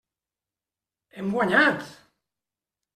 Hem guanyat!